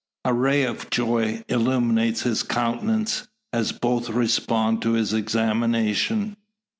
A ray of joy illuminates his countenance, as both respond to his examination.